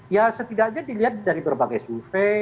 ya setidaknya dilihat dari berbagai survei